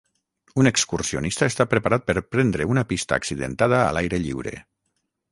Un excursionista està preparat per prendre una pista accidentada a l'aire lliure.